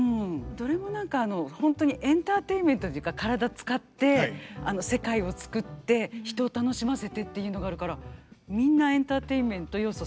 どれも何かホントにエンターテインメントというか体使ってあの世界を作って人を楽しませてっていうのがあるからみんなエンターテインメント要素